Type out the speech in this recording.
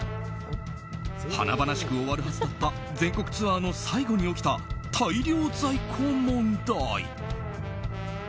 華々しく終わるはずだった全国ツアーの最後に起きた大量在庫問題。